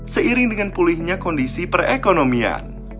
seiring dengan pulihnya kondisi perekonomian